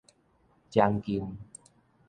將近